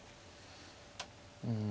うん。